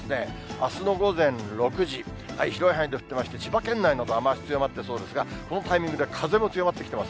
あすの午前６時、広い範囲で降ってまして、千葉県内など、雨足強まってそうですが、このタイミングで風も強まってきています。